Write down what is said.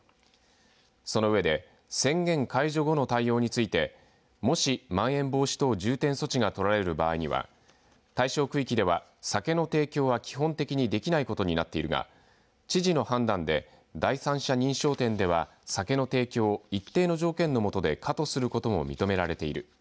その上で宣言解除後の対応についてもし、まん延防止等重点措置がとられる場合には対象区域では酒の提供は基本的にできないことになっているが知事の判断で第三者認証店では酒の提供を一定の条件のもとで可とすることも認められている。